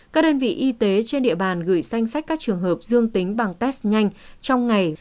các đơn vị y tế trên địa bàn gửi danh sách các trường hợp dương tính bằng test nhanh trong ngày